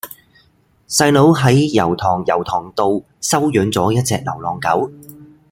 細佬喺油塘油塘道收養左一隻流浪狗